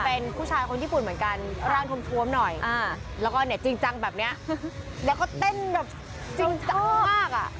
เป็นผู้ชายคนญี่ปุ่นเหมือนกันร่างทวมหน่อยแล้วก็เนี่ยจริงจังแบบเนี้ยแล้วก็เต้นแบบจริงจังมากอ่ะ